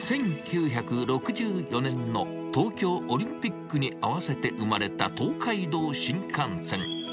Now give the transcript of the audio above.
１９６４年の東京オリンピックに合わせて生まれた東海道新幹線。